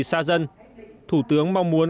xa dân thủ tướng mong muốn